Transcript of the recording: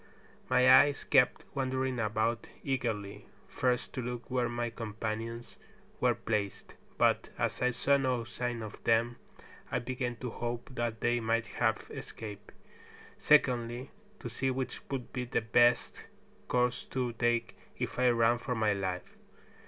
My eyes kept wandering about eagerly, first to look where my companions were placed, but as I saw no sign of them I began to hope that they might have escaped; secondly, to see which would be the best course to take if I ran for my life.